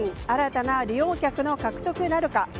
新たな利用客の獲得なるか。